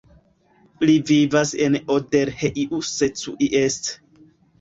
Li vivas en Odorheiu Secuiesc.